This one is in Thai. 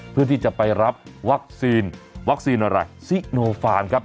เพื่อที่จะไปรับวัคซีนวัคซีนอะไรซิโนฟานครับ